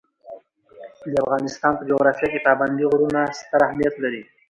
د افغانستان په جغرافیه کې پابندي غرونه ستر اهمیت لري.